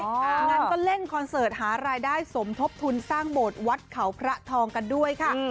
งั้นก็เล่นคอนเสิร์ตหารายได้สมทบทุนสร้างโบสถ์วัดเขาพระทองกันด้วยค่ะ